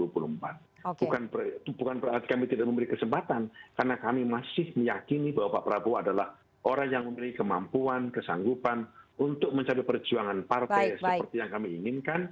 bukan berarti kami tidak memberi kesempatan karena kami masih meyakini bahwa pak prabowo adalah orang yang memiliki kemampuan kesanggupan untuk mencapai perjuangan partai seperti yang kami inginkan